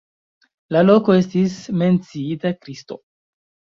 La loko estis menciita Kristo.